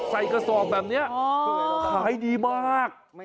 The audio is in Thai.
กระสอบแบบนี้ขายดีมาก